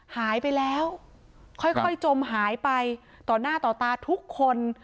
หายไปแล้วค่อยจมหายไปต่อหน้าต่อตาทุกคน